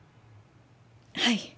はい。